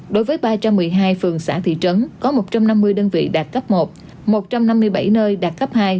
đối với ba trăm một mươi hai phường xã thị trấn có một trăm năm mươi đơn vị đạt cấp một một trăm năm mươi bảy nơi đạt cấp hai